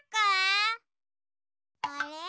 あれ？